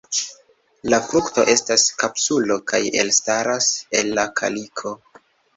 La frukto estas kapsulo kaj elstaras el la kaliko.